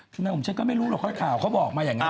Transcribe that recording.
ใครบอกฉันก็ไม่รู้หรอกค่อยข่าวเขาบอกมาอย่างนั้น